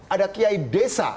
ada kiai desa